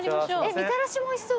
みたらしもおいしそう。